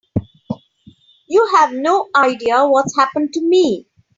You have no idea what's happened to me.